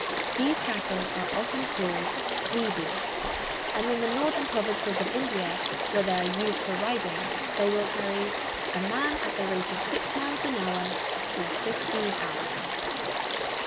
These cattle are often called zebus, and in the northern provinces of India, where they are used for riding, they will carry "a man at the rate of six miles an hour for fifteen hours."